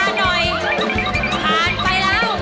โอเคเนี๊ยะต่อที